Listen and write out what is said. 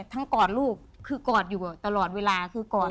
กอดลูกคือกอดอยู่ตลอดเวลาคือกอด